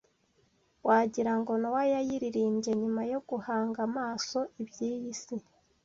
wagirango Nowa yayiririmbye nyuma yo guhanga amaso iby’iyi si